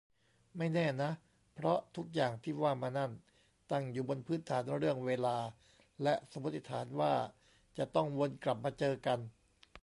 ไม่แน่นะ เพราะทุกอย่างที่ว่ามานั่น ตั้งอยู่บนพื้นฐานเรื่องเวลา และสมมติฐานว่าจะต้องวนกลับมาเจอกัน